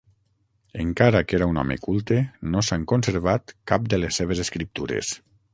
Encara que era un home culte, no s'han conservat cap de les seves escriptures.